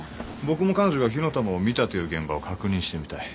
僕も彼女が火の玉を見たという現場を確認してみたい。